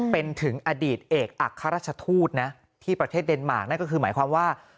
เป็นถึงอดีตเอกอัครราชทูตนะที่ประเทศเดนมาร์คนั่นก็คือหมายความว่า